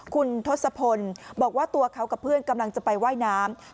คุณทศพลบอกว่าตัวเขากับเพื่อนกำลังจะไปว่ายน้ำ